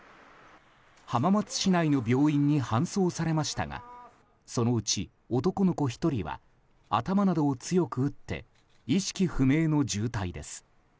浜松市内の病院に搬送されましたがそのうち男の子１人は頭などを強く打って意識不明の重体です。